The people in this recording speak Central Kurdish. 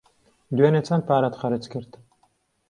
دوێنێ چەند پارەت خەرج کرد؟